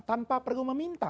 tanpa perlu meminta